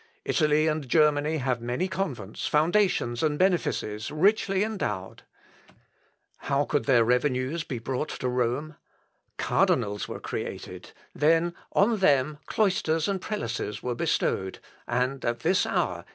Italy and Germany have many convents, foundations, and benefices, richly endowed. How could their revenues be brought to Rome?... Cardinals were created; then, on them, cloisters and prelacies were bestowed, and at this hour